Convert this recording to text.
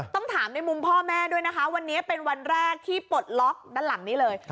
ถามในมุมพ่อแม่ด้วยนะคะวันนี้เป็นวันแรกที่ปลดล็อกด้านหลังนี้เลย